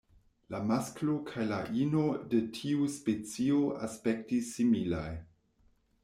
La masklo kaj la ino de tiu specio aspektis similaj.